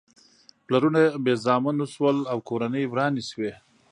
پلرونه بې زامنو شول او کورنۍ ورانې شوې.